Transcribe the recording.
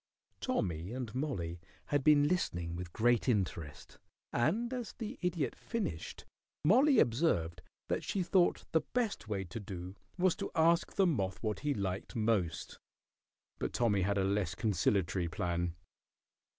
Tommy and Mollie had been listening with great interest, and as the Idiot finished Mollie observed that she thought the best way to do was to ask the moth what he liked most, but Tommy had a less conciliatory plan.